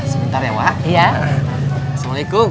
sebentar ya wak